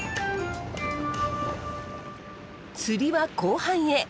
釣りは後半へ。